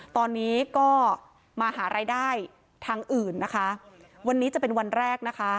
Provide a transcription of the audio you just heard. ตอนนี้ก็มาหารายได้ทางอื่นนะคะวันนี้จะเป็นวันแรกนะคะ